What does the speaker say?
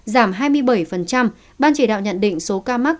giảm hai mươi bảy ban chỉ đạo nhận định số ca mắc